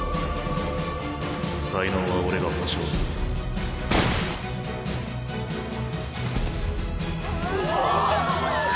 才能は俺が保証するあ。